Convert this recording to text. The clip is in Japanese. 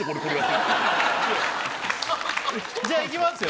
じゃいきますよ。